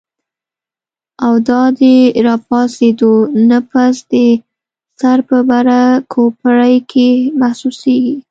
او دا د راپاسېدو نه پس د سر پۀ بره کوپړۍ کې محسوسيږي